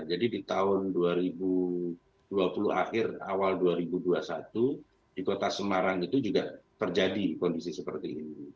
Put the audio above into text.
jadi di tahun dua ribu dua puluh akhir awal dua ribu dua puluh satu di kota semarang itu juga terjadi kondisi seperti ini